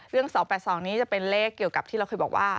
๒๘๒นี้จะเป็นเลขเกี่ยวกับที่เราเคยบอกว่า